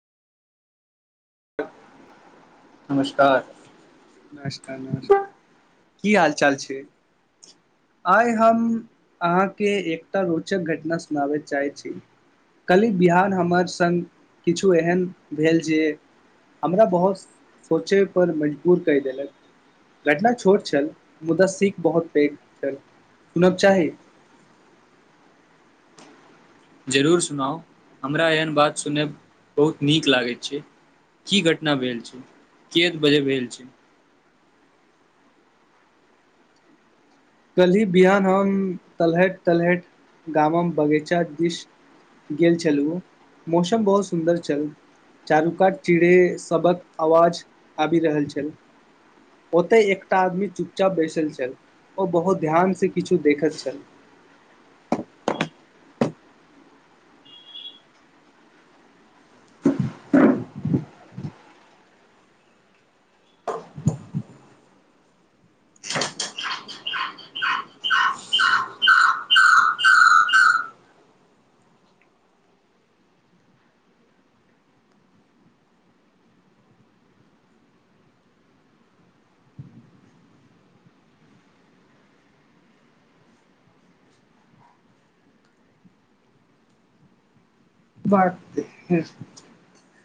नमस्कार नमस्कार नमस्कार की हाल चाल छै आइ हम अहाँके एकटा रोचक घटना सुनाबे चाहैय छी कनी बिहान हमर संग किछु एहन भेल जे हमरा बहुत सोचे पर कहि देलक घटना छोट छल मुदा सीख बहुत पैघ छल सुनब चाही जरूर सुनाउ हमरा एहन बात सुनय बहुत नीक लागैत छै की घटना भेल छै कि बजे भेल छै कल्हि बिहान हम तलहट तलहट गाम मे बगीचा दिस गेल छलहुँ मौसम बहुत सुन्दर छल चारु का चिड़े सबक आवाज आबि रहल छल ओतय एकटा आदमी चुपचाप बैसल छल ओ बहुत ध्यान से किछु देखैत छल बढ़तै ह